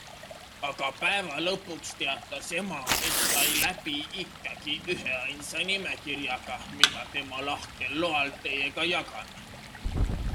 Aga päeva lõpuks teatas ema, et sai läbi ikkagi üheainsa nimekirjaga, mida tema lahkel loal teiega jagan.